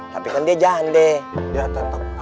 tapi kan dia jahat deh